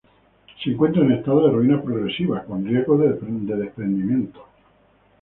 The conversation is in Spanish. Se encuentra en estado de ruina progresiva, con riesgo de desprendimientos.